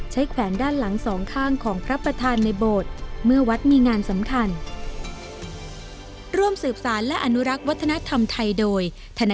แขวนด้านหลังสองข้างของพระประธานในโบสถ์เมื่อวัดมีงานสำคัญ